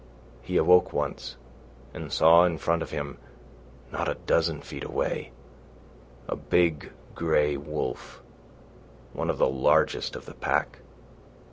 He awoke once and saw in front of him, not a dozen feet away, a big grey wolf, one of the largest of the pack.